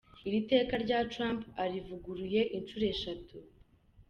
Iri teka rya Trump arivuguruye inshuro eshatu.